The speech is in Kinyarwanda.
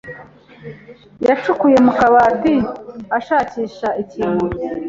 yacukuye mu kabati ashakisha ikintu.